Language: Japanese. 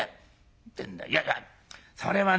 いやいやそれはね